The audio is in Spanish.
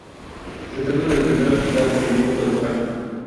Se trata del primer hospital pediátrico de España.